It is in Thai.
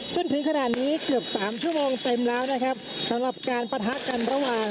จนถึงขนาดนี้เกือบสามชั่วโมงเต็มแล้วนะครับสำหรับการปะทะกันระหว่าง